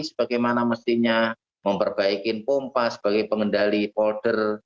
sebagaimana mestinya memperbaikin pompa sebagai pengendali folder